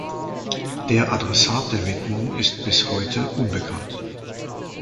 Der Adressat der Widmung ist bis heute unbekannt.